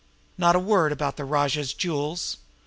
Not a word about the Rajah's jewels.